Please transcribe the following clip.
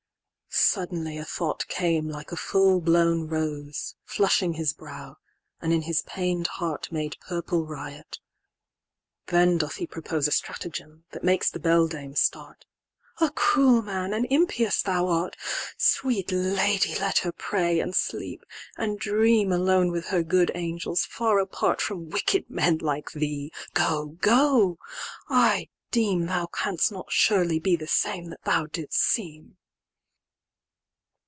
XVI.Sudden a thought came like a full blown rose, Flushing his brow, and in his pained heartMade purple riot: then doth he proposeA stratagem, that makes the beldame start:"A cruel man and impious thou art:"Sweet lady, let her pray, and sleep, and dream"Alone with her good angels, far apart"From wicked men like thee. Go, go!—I deem"Thou canst not surely be the same that thou didst seem.